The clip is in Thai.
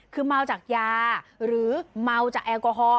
คือเมาจากยาหรือเมาจากแอลกอฮอล